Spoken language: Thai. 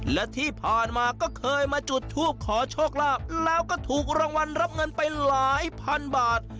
และที่ผ่านมาก็เคยมาจุดทูปขอโชคลาภแล้วก็ถูกรางวัลรับเงินไปหลายพันบาท